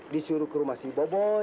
disuruh ke rumah si bobo